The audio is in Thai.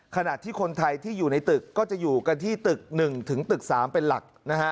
ขนาดที่คนไทยที่อยู่ในตึกก็จะอยู่กันที่ตึก๑๓เป็นหลัก